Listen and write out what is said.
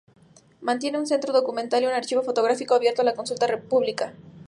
Mantiene un Centro Documental y un archivo fotográfico abiertos a la consulta pública.